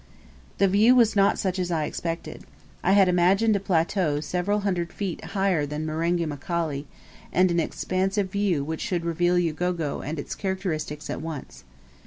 The view was not such as I expected. I had imagined a plateau several hundred feet higher than Marenga Mkali, and an expansive view which should reveal Ugogo and its characteristics at once.